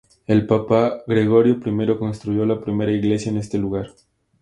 El papa Gregorio I construyó la primera iglesia en este lugar.